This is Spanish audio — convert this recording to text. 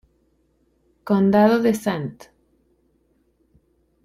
Condado de St.